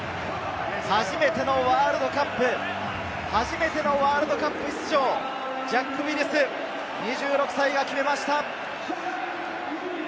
初めてのワールドカップ、初めてのワールドカップ出場、ジャック・ウィリス、２６歳が決めました！